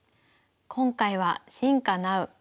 今回は「進化なう。